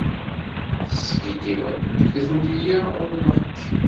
Teskiddibeḍ, nekk d nniya umneɣ-k.